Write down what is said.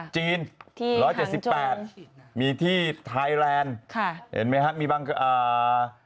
จีน๑๗๘มีที่ไทยแลนด์เห็นไหมฮะมีบังกลา